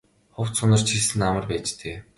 Хувцас хунар чирсэн нь амар байж дээ.